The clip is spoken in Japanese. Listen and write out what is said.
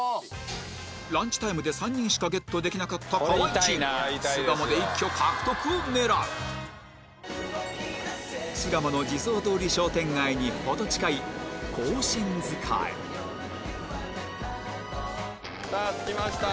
ランチタイムで３人しかゲットできなかった河合チーム巣鴨で一挙獲得を狙う巣鴨の地蔵通り商店街に程近い庚申塚へさあ着きました